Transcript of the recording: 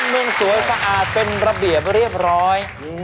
เมืองสวยสะอาดเป็นระเบียบเรียบร้อย